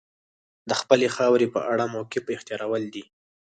د خپلې خاورې په اړه موقف اختیارول دي.